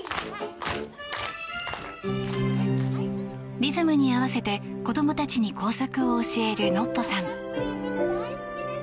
リズムに合わせて子どもたちに工作を教えるのっぽさん。